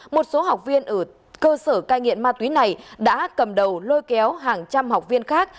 một số học viên ở cơ sở cai nghiện ma túy này đã cầm đầu lôi kéo hàng trăm học viên khác